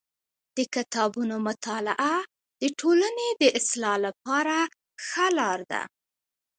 د کتابونو مطالعه د ټولني د اصلاح لپاره ښه لار ده.